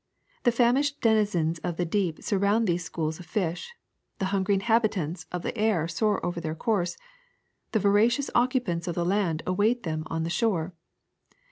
The famished denizens of the deep surround these schools of fish; the hungry inhabitants of the air soar over their course; the voracious occupants of the land await them on the shore.